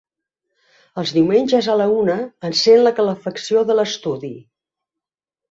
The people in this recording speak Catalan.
Els diumenges a la una encèn la calefacció de l'estudi.